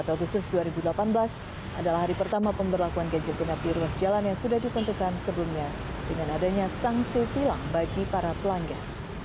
satu agustus dua ribu delapan belas adalah hari pertama pemberlakuan ganjil genap di ruas jalan yang sudah ditentukan sebelumnya dengan adanya sanksi tilang bagi para pelanggan